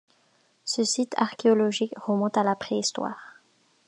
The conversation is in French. Ce site archéologique remonte à la Préhistoire.